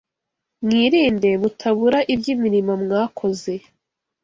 Mwirinde mutabura iby’imirimo mwakoze